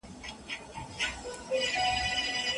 وجود دې ستا وي زه د عقل له ښيښې وځم